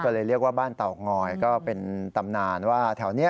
ก็เลยเรียกว่าบ้านเตางอยก็เป็นตำนานว่าแถวนี้